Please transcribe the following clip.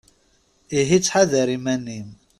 Ihi ttḥadar iman-im.